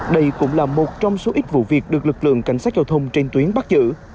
đây cũng là một trong số ít vụ việc được lực lượng cảnh sát giao thông trên tuyến bắt giữ